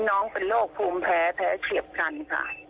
น้องเป็นโรคภูมิแพ้แพ้เฉียบกันค่ะ